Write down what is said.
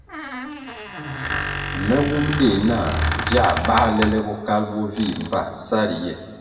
Me wumʼ leh nah viā bāle le bokalʼ bo vii mbpa sa riye.